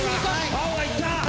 青がいった！